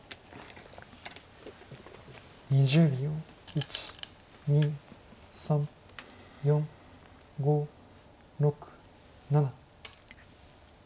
１２３４５６７。